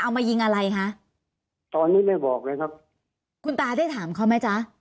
เอามายิงอะไรคะตอนนี้ไม่บอกเลยครับคุณตาได้ถามเขาไหมจ๊ะ